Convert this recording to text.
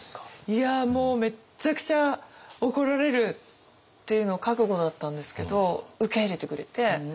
いやもうめっちゃくちゃ怒られるっていうのを覚悟だったんですけど受け入れてくれて。